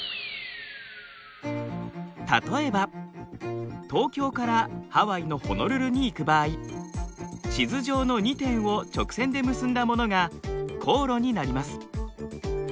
例えば東京からハワイのホノルルに行く場合地図上の２点を直線で結んだものが航路になります。